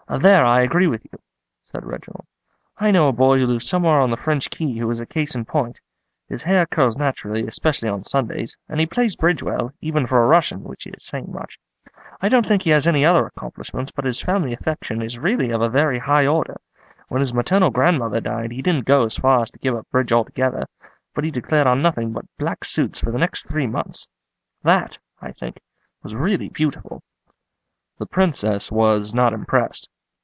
"There I agree with you," said Reginald. "I know a boy who lives somewhere on the French Quay who is a case in point. His hair curls naturally, especially on Sundays, and he plays bridge well, even for a Russian, which is saying much. I don't think he has any other accomplishments, but his family affection is really of a very high order. When his maternal grandmother died he didn't go as far as to give up bridge altogether, but he declared on nothing but black suits for the next three months. That, I think, was really beautiful." The Princess was not impressed.